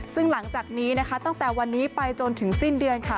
ซึ่งหลังจากนี้นะคะตั้งแต่วันนี้ไปจนถึงสิ้นเดือนค่ะ